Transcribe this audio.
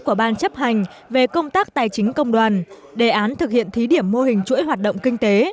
của ban chấp hành về công tác tài chính công đoàn đề án thực hiện thí điểm mô hình chuỗi hoạt động kinh tế